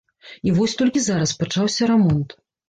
І вось толькі зараз пачаўся рамонт.